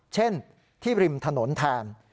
เช่นที่ริมถนนแทน